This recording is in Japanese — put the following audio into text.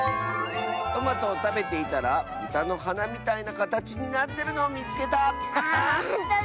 「トマトをたべていたらブタのはなみたいなかたちになってるのをみつけた！」。